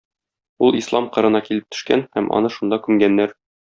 Ул Ислам кырына килеп төшкән һәм аны шунда күмгәннәр.